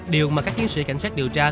điều mà các kiến sĩ cảnh sát điều tra